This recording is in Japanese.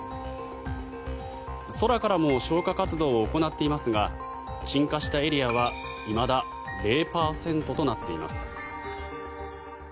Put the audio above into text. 空からも消火活動を行っていますが鎮火したエリアはいまだ０％となっています。